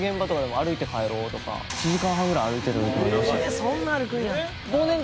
そんな歩くんや。